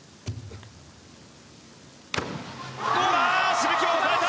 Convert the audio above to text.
しぶきは抑えた！